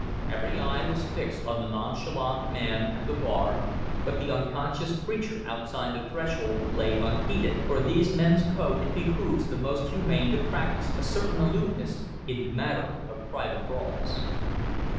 Every eye was fixed on the nonchalant man at the bar, but the unconscious creature outside the threshold lay unheeded, for in these men's code it behooves the most humane to practise a certain aloofness in the matter of private brawls.